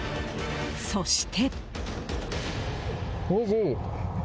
そして。